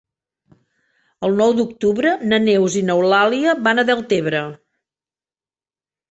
El nou d'octubre na Neus i n'Eulàlia van a Deltebre.